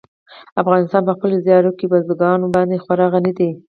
افغانستان په خپلو زیارکښو بزګانو باندې خورا غني دی.